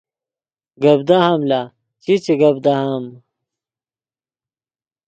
گپ دہام لا چی چے گپ دہام